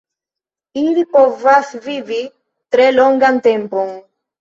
Ili povas vivi tre longan tempon.